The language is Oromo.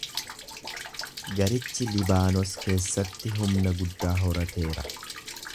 Garichi Libaanos keessatti humna guddaa horateera.